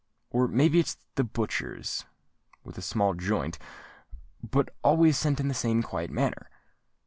Or may be it's the butcher with a small joint—but always sent in the same quiet manner.